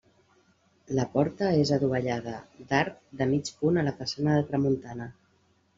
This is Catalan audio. La porta és adovellada d'arc de mig punt a la façana de tramuntana.